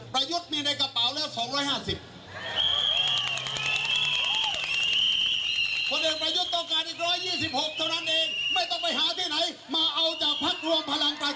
ยุทธ์มีในกระเป๋าแล้ว๒๕๐